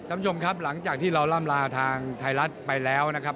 ท่านผู้ชมครับหลังจากที่เราร่ำลาทางไทยรัฐไปแล้วนะครับ